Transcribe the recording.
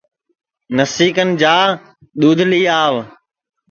نسی کن جا دؔودھ لی آو